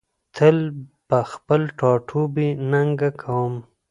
تل په خپل ټاټوبي ننګه کوم